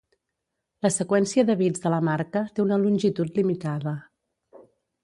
La seqüència de bits de la marca té una longitud limitada.